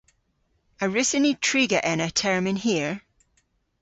A wrussyn ni triga ena termyn hir?